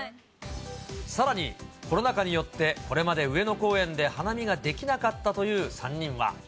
さらに、コロナ禍によって、これまで上野公園で花見ができなかったという３人は。